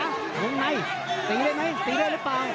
วงในตีได้ไหมตีได้หรือเปล่า